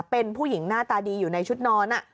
เป็นผู้หญิงหน้าตาดีอยู่ในชุดนอน